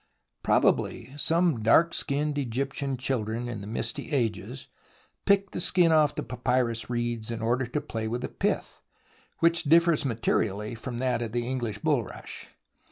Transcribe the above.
Probably some dark skinned Eg5rptian children in the misty ages picked the skin off the papyrus reeds in order to play with the pith, which differs materially from that of the English bulrush.